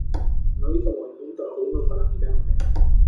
No hizo movimiento alguno para mirarme.